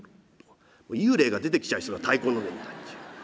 幽霊が出てきちゃいそうな太鼓の音になっちゃう。